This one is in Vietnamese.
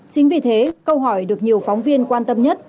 chính vì thế câu hỏi được nhiều phóng viên quan tâm nhất